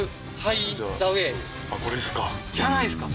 これですか？